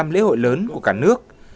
một mươi năm lễ hội lớn của cả nước